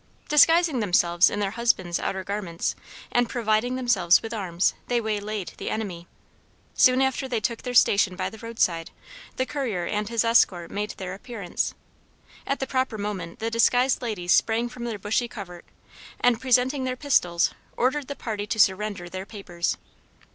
Disguising themselves in their husband's outer garments, and providing themselves with arms, they waylaid the enemy. Soon after they took their station by the roadside, the courier and his escort made their appearance. At the proper moment the disguised ladies sprang from their bushy covert, and presenting their pistols, ordered the party to surrender their papers.